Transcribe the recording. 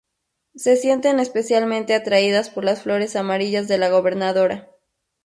Se sienten especialmente atraídas por las flores amarillas de la gobernadora.